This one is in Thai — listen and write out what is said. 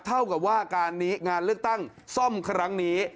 เท่ากับว่าการนี้งานเลือกตั้งซ่อมครั้งนี้